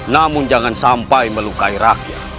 namun jangan sampai melukai rakyat